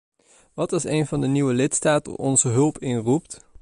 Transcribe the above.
Wat als een van de nieuwe lidstaten onze hulp inroept?